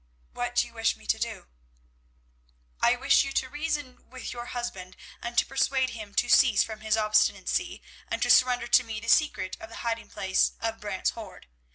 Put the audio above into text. "What do you wish me to do?" "I wish you to reason with your husband, and to persuade him to cease from his obstinacy, and to surrender to me the secret of the hiding place of Brant's hoard.